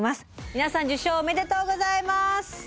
皆さん受賞おめでとうございます。